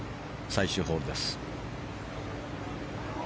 最終ホールです。